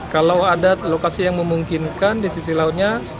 kalau ada lokasi yang memungkinkan di sisi lautnya